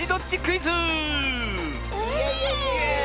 イエーイ！